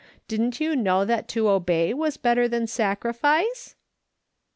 Didn't you know that to obey was better than sacrifice